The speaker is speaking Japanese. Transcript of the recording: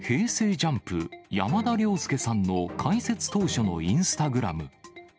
ＪＵＭＰ・山田涼介さんの開設当初のインスタグラム。